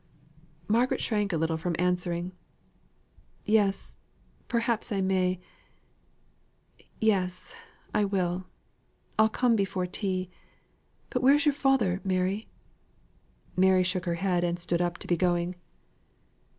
Margaret shrank a little from answering. "Yes, perhaps I may. Yes, I will. I'll come before tea. But where's your father, Mary?" Mary shook her head, and stood up to be going.